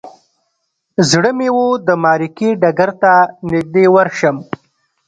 زړه مې و د معرکې ډګر ته نږدې ورشم.